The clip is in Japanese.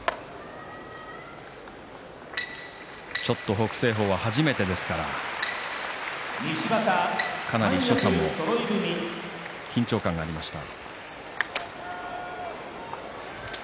北青鵬は初めてですからかなり所作も緊張感がありました。